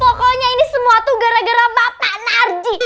pokoknya ini semua tuh gara gara bapak marji